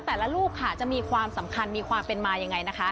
แต่ละรูปค่ะจะมีความสำคัญมีความเป็นมาอย่างไรนะคะ